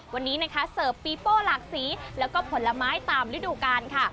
วันนี้นะคะเสิร์ฟปีโป้หลากสีแล้วก็ผลไม้ตามฤดูกาลค่ะ